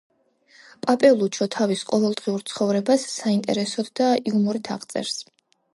პაპელუჩო თავის ყოველდღიურ ცხოვრებას საინტერესოდ და იუმორით აღწერს.